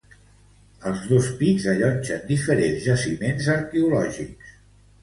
Els dos pics allotgen diferents jaciments arqueològics.